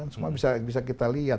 semua bisa kita lihat